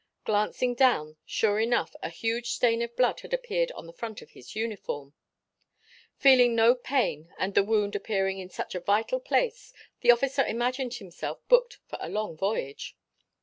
Glancing down sure enough a huge stain of blood had appeared on the front of his uniform. Feeling no pain and the wound appearing in such a vital place the officer imagined himself booked for the long voyage.